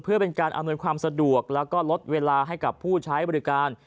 เพื่อเป็นการอำนวยความสะดวกแล้วก็ลดเวลาให้กับผู้ใช้บริการ